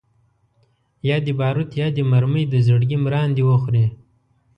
یا دي باروت یا دي مرمۍ د زړګي مراندي وخوري